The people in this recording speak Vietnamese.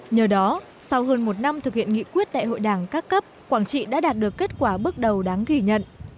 nhờ đó sau hơn một năm thực hiện nghị quyết đại hội đảng các cấp quảng trị đã đạt được kết quả bước đầu đáng ghi nhận